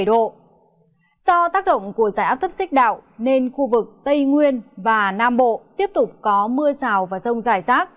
do tác động của dãy áp thấp xích đạo nên khu vực tây nguyên và nam bộ tiếp tục có mưa rào và rông dài rác